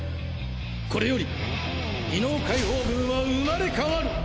これより異能解放軍は生まれ変わる！